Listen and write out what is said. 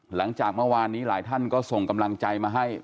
หลังจากเมื่อวานนี้หลายท่านก็ส่งกำลังใจมาให้